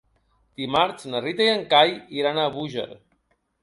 Dimarts na Rita i en Cai iran a Búger.